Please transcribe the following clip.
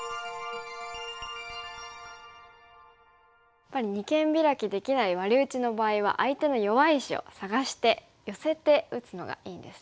やっぱり二間ビラキできないワリ打ちの場合は相手の弱い石を探して寄せて打つのがいいんですね。